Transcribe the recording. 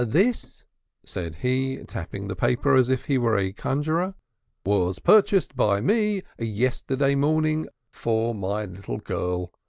"This," said he, tapping the paper as if he were a conjurer, "was purchased by me yesterday morning for my little girl.